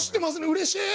うれしい！